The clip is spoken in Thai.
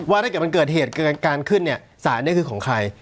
ถ้าเกิดมันเกิดเหตุการณ์ขึ้นเนี่ยสารนี้คือของใคร